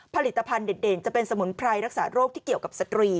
ผลิตภัณฑ์เด่นจะเป็นสมุนไพรรักษาโรคที่เกี่ยวกับสตรี